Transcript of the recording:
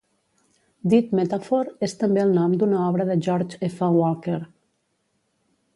Dead Metaphor és també el nom d"una obra de George F. Walker.